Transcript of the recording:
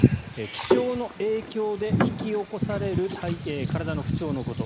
気象の影響で引き起こされる体の不調のこと。